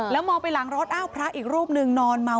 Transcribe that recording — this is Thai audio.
แล้วมองไปหลังรถอ้าวพระอีกรูปหนึ่งนอนเมา